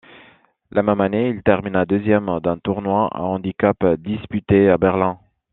La même année, il termina deuxième d'un tournoi à handicap disputé à Berlin.